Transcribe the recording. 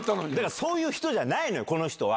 そういう人じゃないのよ、この人は。